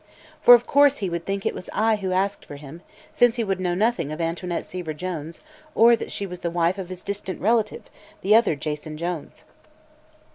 For of course he would think it was I who asked for him, since he would know nothing of Antoinette Seaver Jones or that she was the wife of his distant relative, the other Jason Jones.